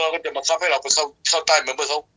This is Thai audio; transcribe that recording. เราก็จะมาชรับให้เราก็